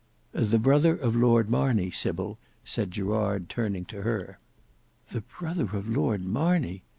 "The brother of Lord Marney, Sybil," said Gerard, turning to her. "The brother of Lord Marney!"